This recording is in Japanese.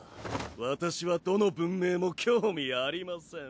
私はどの文明も興味ありません。